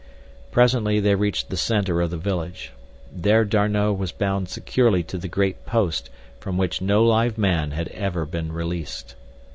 Presently they reached the center of the village. There D'Arnot was bound securely to the great post from which no live man had ever been released.